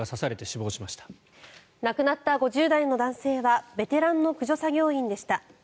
亡くなった５０代の男性はベテランの駆除作業員でした。